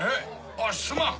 あっすまん！